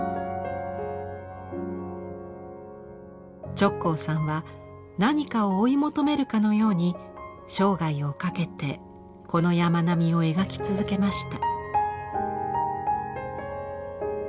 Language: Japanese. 直行さんは何かを追い求めるかのように生涯をかけてこの山並みを描き続けました。